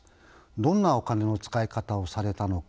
どんなお金の使い方をされたのか。